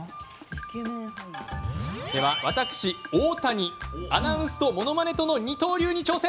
では私、大谷アナウンスとものまねとの二刀流に挑戦。